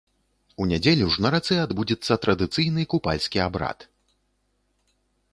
У нядзелю ж на рацэ адбудзецца традыцыйны купальскі абрад.